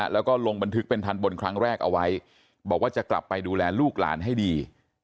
แล้วก็ลงบันทึกเป็นทันบนครั้งแรกเอาไว้บอกว่าจะกลับไปดูแลลูกหลานให้ดี